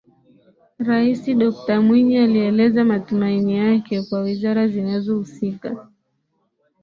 Rais Dokta Mwinyi alieleza matumaini yake kwa Wizara zinazohusika